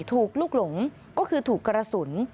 ลูกหลงก็คือถูกกระสุน